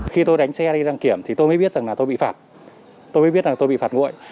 khi tôi đánh xe đi đăng kiểm thì tôi mới biết rằng là tôi bị phạt tôi mới biết là tôi bị phạt nguội